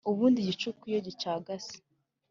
Ubundi igicuku iyo gicagase